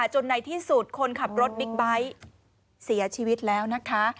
จนในที่สุดคนขับรถบิ๊กไบท์เสียชีวิตแล้วนะคะ